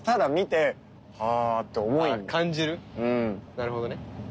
なるほどね。